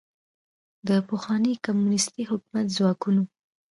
د پخواني کمونیستي حکومت ځواکونو